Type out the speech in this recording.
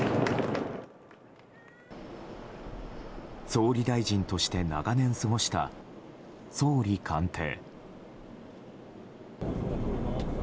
総理大臣として長年過ごした総理官邸。